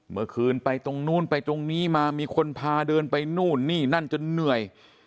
เมื่อคืนไปตรงนู้นไปตรงนี้มามีคนพาเดินไปนู่นนี่นั่นจนเหนื่อย